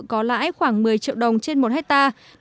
có lãi khoảng một mươi triệu đồng trên một hectare